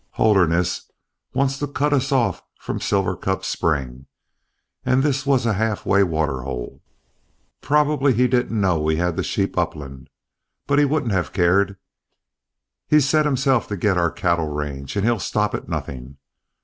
"Holderness wants to cut us off from Silver Cup Spring, and this was a half way waterhole. Probably he didn't know we had the sheep upland, but he wouldn't have cared. He's set himself to get our cattle range and he'll stop at nothing.